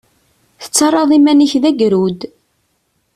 Tettarraḍ iman-ik d agrud.